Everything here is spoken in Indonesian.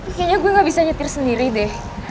tapi kayaknya gue nggak bisa nyetir sendiri deh